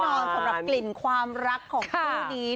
นอนสำหรับกลิ่นความรักของคู่นี้